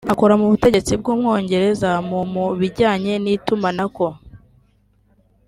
akora mu butegetsi bw’Ubwongereza mu mu bijyanye n’itumanako